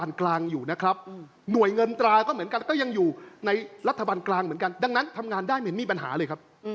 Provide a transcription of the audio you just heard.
ดังนั้นทำงานได้ไม่มีปัญหาเลยครับ